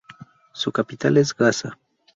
Su capital es Gasa.